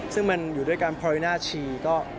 ซึ่งมันอยู่ด้วยกันพร้อมหน้าชีก็พอดีครับ